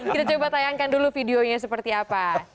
kita coba tayangkan dulu videonya seperti apa